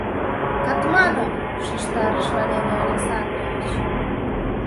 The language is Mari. — Катманов! — шижтарыш Валерий Александрович.